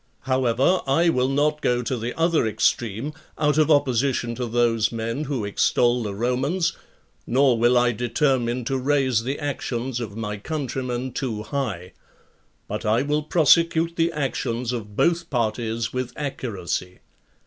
4. However, I will not go to the other extreme, out of opposition to those men who extol the Romans nor will I determine to raise the actions of my countrymen too high; but I will prosecute the actions of both parties with accuracy.